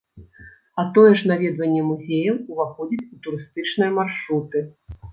А тое ж наведванне музеяў уваходзіць у турыстычныя маршруты.